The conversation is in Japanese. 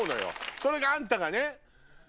それがあんたがね。